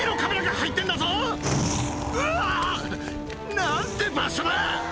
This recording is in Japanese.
なんて場所だ！